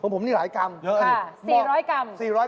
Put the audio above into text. ผมนี่หลายกรัมเยอะเลย